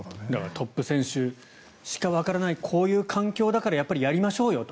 トップ選手しかわからないこういう環境だからやっぱりやりましょうよと。